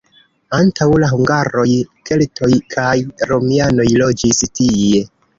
Antaŭ la hungaroj keltoj kaj romianoj loĝis tie.